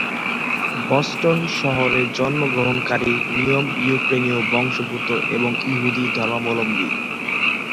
Boston শহরে জন্ম গ্রহণকারী নিময় ইউক্রেনীয় বংশোদ্ভূত, এবং ইহুদী ধর্মাবলম্বী।